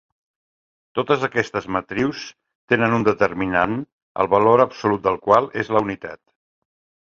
Totes aquestes matrius tenen un determinant el valor absolut del qual és la unitat.